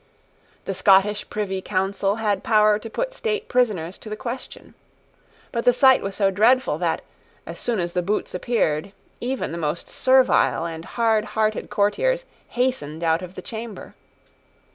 The Scottish Privy Council had power to put state prisoners to the question. But the sight was so dreadful that, as soon as the boots appeared, even the most servile and hardhearted courtiers hastened out of the chamber.